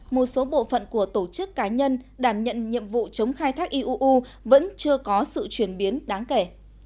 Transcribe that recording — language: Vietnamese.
một số bộ phận của tổ chức cá nhân đảm nhận nhiệm vụ chống khai thác iuu vẫn chưa có sự chuyển biến đáng kể